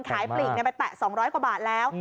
ปลีกไปแตะ๒๐๐กว่าบาทแล้ว